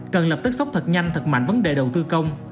cần lập tức sóc thật nhanh thật mạnh vấn đề đầu tư công